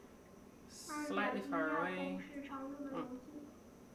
二甲基亚砜是常用的溶剂。